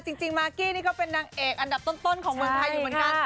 จริงมากกี้นี่ก็เป็นนางเอกอันดับต้นของเมืองไทยอยู่เหมือนกัน